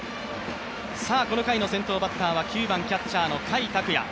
この回のセンターバッターは９番、キャッチャーの甲斐拓也。